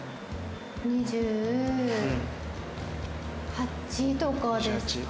２８とかですか。